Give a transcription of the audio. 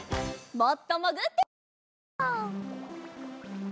もっともぐってみよう。